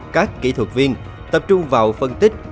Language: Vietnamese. các kỹ thuật viên tập trung vào phân tích